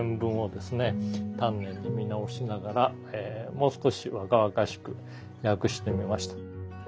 丹念に見直しながらもう少し若々しく訳してみました。